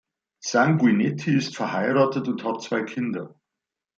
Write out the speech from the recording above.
Sanguinetti ist verheiratet und hat zwei Kinder.